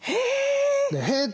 へえ！